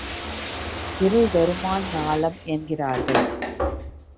இருள் தருமா ஞாலம் என்கிறார்கள்.